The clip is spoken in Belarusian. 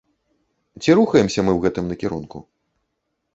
Ці рухаемся мы ў гэтым накірунку?